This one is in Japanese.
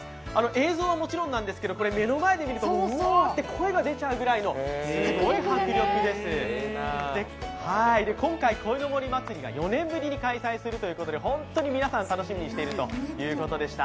映像はもちろんですが、目の前で見るとうわーと声が出るぐらいのすごい迫力です、今回鯉のぼり祭りが４年ぶりに開催するということで本当に皆さん楽しみにしているということでした。